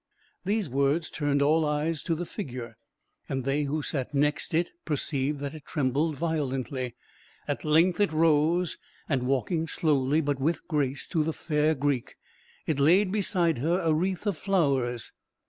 These words turned all eyes to the figure, and they who sat next it perceived that it trembled violently; at length it rose, and walking slowly, but with grace, to the fair Greek, it laid beside her a wreath of flowers.